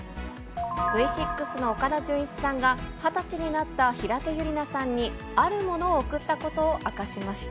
Ｖ６の岡田准一さんが、２０歳になった平手友梨奈さんに、あるものを贈ったことを明かしました。